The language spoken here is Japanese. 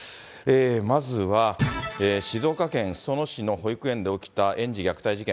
まずは、静岡県裾野市の保育園で起きた園児虐待事件。